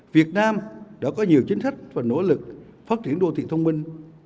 việt nam đã có nhiều chính sách và nỗ lực phát triển đô thị thông minh